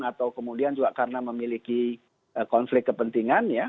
atau kemudian juga karena memiliki konflik kepentingannya